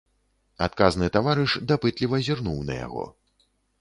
Адказны таварыш дапытліва зірнуў на яго.